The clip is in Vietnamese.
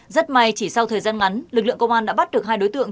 rất may chỉ sau thời gian ngắn lực lượng công an đã bắt được hai đối tượng